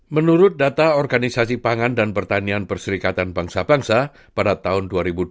menurut data organisasi pangan dan pertanian perserikatan bangsa bangsa pada tahun dua ribu dua puluh dua